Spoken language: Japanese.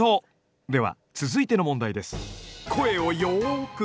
では続いての問題です。